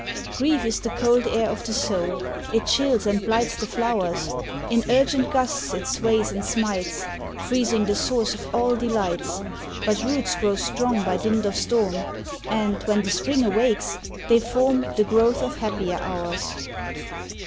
Grief is the cold air of the soul ! It chills and blights the flowers, In urgent gusts it sways and smites, Freezing the source of all delights ; But roots grow strong by dint of storm, And, when the spring awakes, they form The growth of happier hours.